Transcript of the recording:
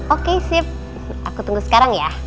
oke sip aku tunggu sekarang ya